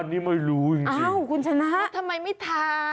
อันนี้ไม่รู้อ้าวคุณชนะทำไมไม่ทา